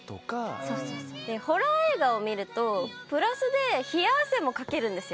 そうそうそうでホラー映画を見るとプラスで冷や汗もかけるんですよ。